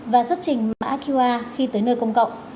và xuất trình mã qr khi tới nơi công cộng